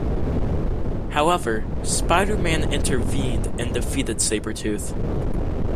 However, Spider-Man intervened and defeated Sabretooth.